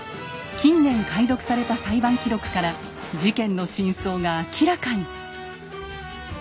近年解読された裁判記録から事件の真相が明らかに！